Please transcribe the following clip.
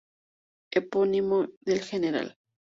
Epónimo del Gral.